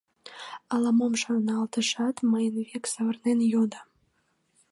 Ала-мом шарналтышат, мыйын век савырнен йодо: